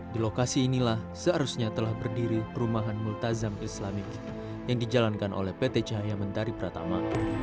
di lokasi inilah seharusnya telah berdiri perumahan multazam islamic yang dijalankan oleh pt cahaya mentari pratama